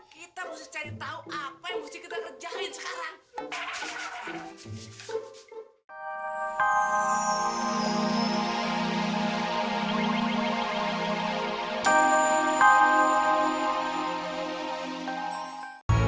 kita mesti cari tahu apa yang mesti kita kerjain sekarang